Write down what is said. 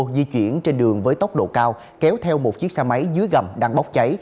di chuyển trên đường với tốc độ cao kéo theo một chiếc xe máy dưới gầm đang bốc cháy